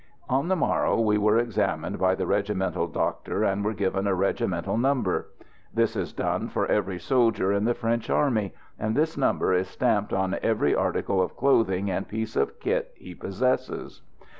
On the morrow we were examined by the regimental doctor, and were given a regimental number. This is done for every soldier in the French army, and this number is stamped on every article of clothing and piece of kit he possesses.